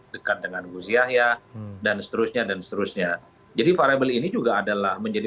dekat dengan gus yahya dan seterusnya dan seterusnya jadi variable ini juga adalah menjadi